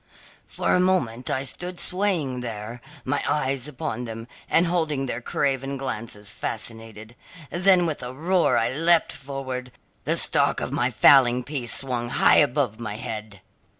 "For a moment I stood swaying there, my eyes upon them, and holding their craven glances fascinated. Then with a roar I leapt forward, the stock of my fowling piece swung high above my head.